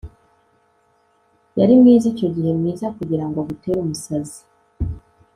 yari mwiza icyo gihe, mwiza kugirango agutere umusazi